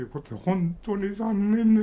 本当に残念で。